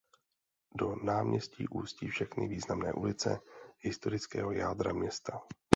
Do náměstí ústí všechny významné ulice historického jádra města.